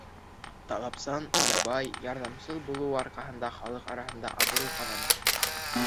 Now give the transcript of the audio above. Талапсан, ябай, ярҙамсыл булыуы арҡаһында халыҡ араһында абруй ҡаҙана.